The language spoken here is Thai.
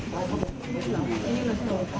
หลังจากที่สุดยอดเย็นหลังจากที่สุดยอดเย็น